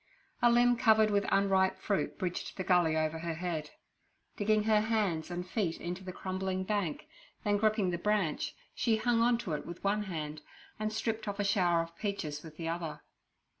A limb covered with unripe fruit bridged the gully over her head. Digging her hands and feet into the crumbling bank, then gripping the branch, she hung on to it with one hand, and stripped off a shower of peaches with the other.